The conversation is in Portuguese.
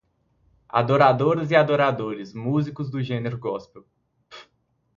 Adoradoras e adoradores, músicos do gênero gospel